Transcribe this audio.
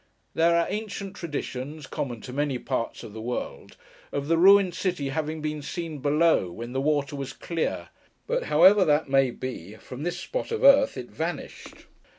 There are ancient traditions (common to many parts of the world) of the ruined city having been seen below, when the water was clear; but however that may be, from this spot of earth it vanished.